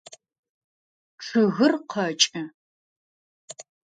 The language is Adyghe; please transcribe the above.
Чъыгыр къэкӏы.